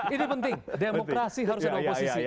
ini penting demokrasi harus ada oposisi